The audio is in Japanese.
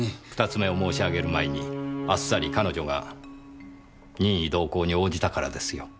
２つ目を申し上げる前にあっさり彼女が任意同行に応じたからですよ。